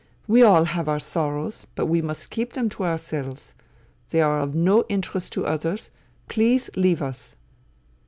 We all have our sorrows, but we must keep them to ourselves. They are of no interest to others. Please leave us."